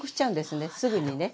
すぐにね。